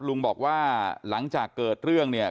ลุงบอกว่าหลังจากเกิดเรื่องเนี่ย